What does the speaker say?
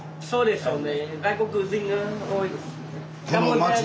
そうです。